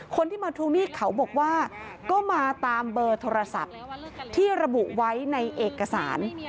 คนที่มาทวงหนี้เขาบอกว่าก็มาตามเบอร์โทรศัพท์ที่ระบุไว้ในเอกสาร